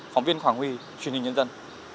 phóng viên hoàng huy truyền hình nhân dân